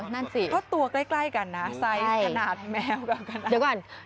นั่นสิเพราะตัวกล้ายกันนะไซส์ขนาดแมวกับกันนะ